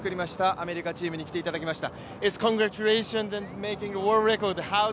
アメリカチームに来ていただきました。